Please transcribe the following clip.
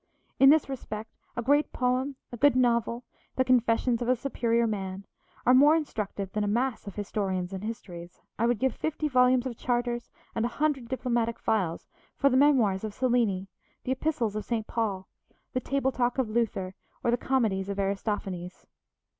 In this respect, a great poem, a good novel, the confessions of a superior man, are more instructive than a mass of historians and histories, I would give fifty volumes of charters and a hundred diplomatic files for the memoirs of Cellini, the epistles of Saint Paul, the table talk of Luther, or the comedies of Aristophanes.